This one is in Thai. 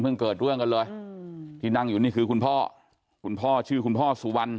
เกิดเรื่องกันเลยที่นั่งอยู่นี่คือคุณพ่อคุณพ่อชื่อคุณพ่อสุวรรณ